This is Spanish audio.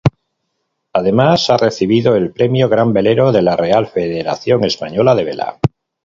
Además ha recibido el premio Gran Velero de la Real Federación Española de Vela.